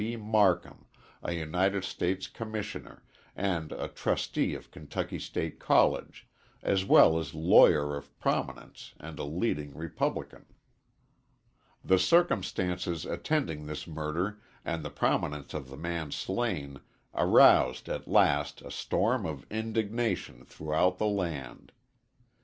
B. Marcum, a United States Commissioner, and a trustee of Kentucky State College, as well as lawyer of prominence and a leading Republican. The circumstances attending this murder and the prominence of the man slain aroused at last a storm of indignation throughout the land.